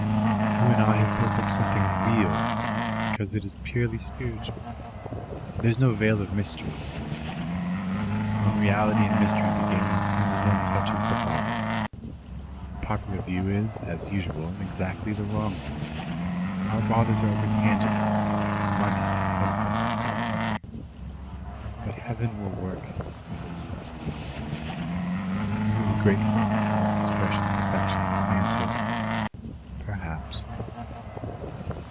You and I have built up something real, because it is purely spiritual. There's no veil of mystery over us. Unreality and mystery begin as soon as one touches the body. The popular view is, as usual, exactly the wrong one. Our bothers are over tangible things money, husbands, house hunting. But Heaven will work of itself." Margaret was grateful for this expression of affection, and answered, "Perhaps."